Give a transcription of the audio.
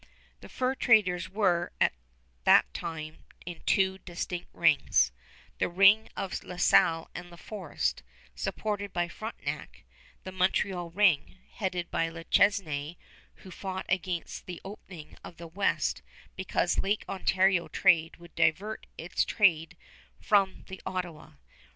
The fur traders were at that time in two distinct rings, the ring of La Salle and La Fôrest, supported by Frontenac; the Montreal ring, headed by Le Chesnaye, who fought against the opening of the west because Lake Ontario trade would divert his trade from the Ottawa.